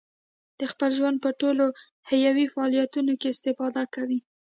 د خپل ژوند په ټولو حیوي فعالیتونو کې استفاده کوي.